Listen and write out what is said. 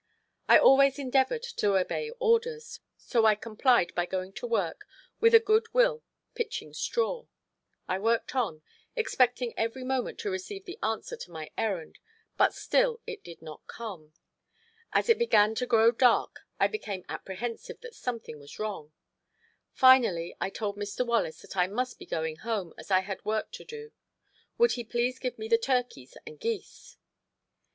I always endeavored to obey orders, so I complied by going to work with a good will pitching straw. I worked on, expecting every moment to receive the answer to my errand, but still it did not come. As it began to grow dark I became apprehensive that something was wrong. Finally, I told Mr. Wallace that I must be going home as I had work to do; would he please give me the turkeys and geese?